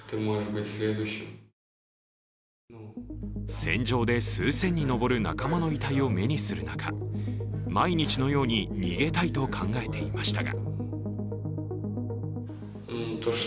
戦場で数千に上る仲間の遺体を目にする中、毎日のように逃げたいと考えていましたが。